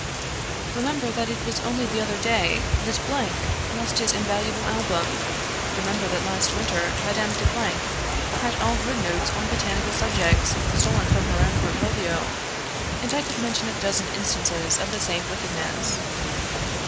"Remember that it was only the other day that lost his invaluable album; remember that last winter Madame de had all her notes on botanical subjects stolen from her own portfolio and I could mention a dozen instances of the same wickedness."